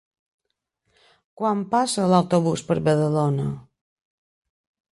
Quan passa l'autobús per Badalona?